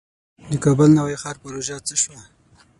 د کابل نوی ښار پروژه څه شوه؟